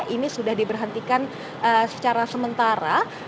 ini sudah diberhentikan secara sementara